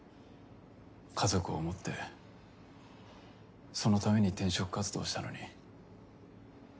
家族を思ってそのために転職活動したのに。